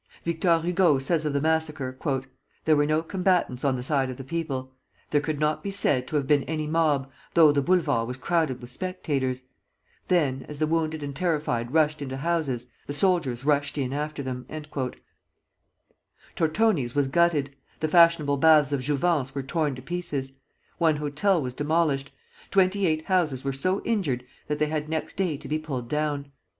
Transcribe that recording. Victor Hugo says of the massacre: "There were no combatants on the side of the people. There could not be said to have been any mob, though the Boulevard was crowded with spectators. Then, as the wounded and terrified rushed into houses, the soldiers rushed in after them." Tortoni's was gutted; the fashionable Baths of Jouvence were torn to pieces; one hotel was demolished; twenty eight houses were so injured that they had next day to be pulled down.